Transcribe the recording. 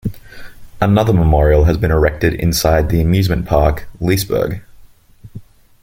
Another memorial has been erected inside the amusement park Liseberg.